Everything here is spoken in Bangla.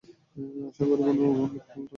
আশা করি কোনো লুপহোল থাকবে না।